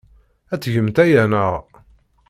Ad tgemt aya, naɣ?